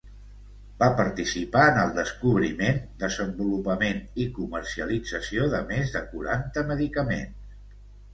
Va participar en el descobriment, desenvolupament i comercialització de més de quaranta medicaments.